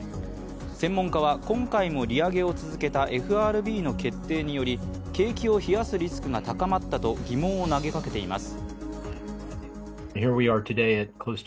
専門家は、今回も利上げを続けたＦＲＢの決定により景気を冷やすリスクが高まったと疑問を投げかけています。